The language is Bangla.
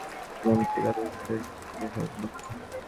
কুমুদ কি তা বুঝিতে পারিতেছে না, যে সব বোঝে?